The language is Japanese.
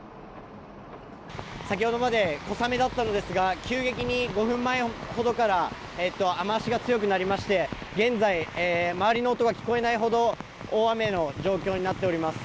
先ほどまで小雨だったのですが急激に５分ほど前から雨脚が強くなりまして現在、周りの音が聞こえないほど大雨の状況になっております。